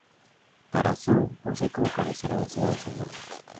Tarrazú posee como cabecera la ciudad de San Marcos.